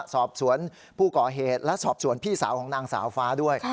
สอบสวนผู้ก่อเหตุและสอบสวนพี่สาวของนางสาวฟ้าด้วย